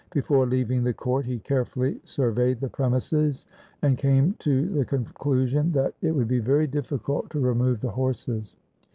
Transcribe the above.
Before leaving the court he carefully surveyed the premises, and came to the conclusion that it LIFE OF GURU HAR GOBIND 161 would be very difficult to remove the horses.